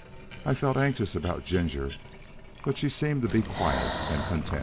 I felt anxious about Ginger, but she seemed to be quiet and content.